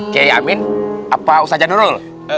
kiai amin apa ustaz jah nurul